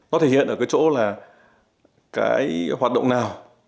nó thể hiện ở cái chỗ là cái hoạt động nào